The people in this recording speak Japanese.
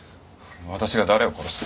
私が誰を殺した。